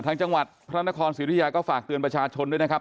จังหวัดพระนครศิริยาก็ฝากเตือนประชาชนด้วยนะครับ